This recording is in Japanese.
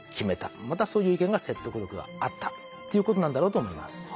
またそういう意見が説得力があったということなんだろうと思います。